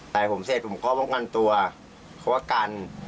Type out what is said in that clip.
หลายผมเสร็จก็ก่อนกันตัวเขาก็กัน